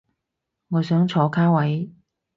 我想坐卡位